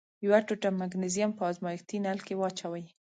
یوه ټوټه مګنیزیم په ازمیښتي نل کې واچوئ.